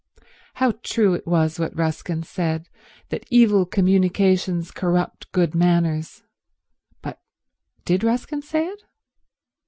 How true it was what Ruskin said, that evil communications corrupt good manners. But did Ruskin say it?